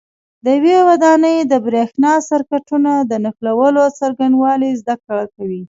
د یوې ودانۍ د برېښنا سرکټونو د نښلولو څرنګوالي زده کوئ.